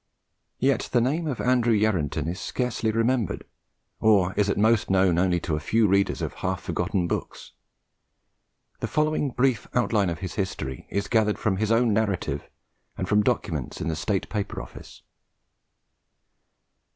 Yet the name of Andrew Yarranton is scarcely remembered, or is at most known to only a few readers of half forgotten books. The following brief outline of his history is gathered from his own narrative and from documents in the State Paper Office.